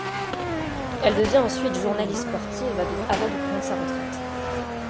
Elle devient ensuite journaliste sportive avant de prendre sa retraite.